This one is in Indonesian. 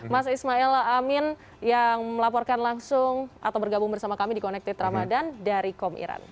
mas ismail amin yang melaporkan langsung atau bergabung bersama kami di connected ramadan dari kom iran